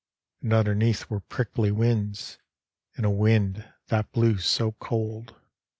And underneath were prickly whins, And a wind that blew so cold.